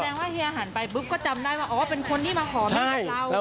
แสดงว่าเฮียหันไปบึ๊บก็จำได้ว่าเป็นคนที่มาขอมีดกับเรา